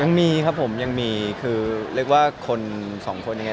ยังมีครับผมยังมีคือเรียกว่าคนสองคนยังไง